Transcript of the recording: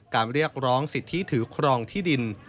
เรียกร้องสิทธิถือครองที่ดิน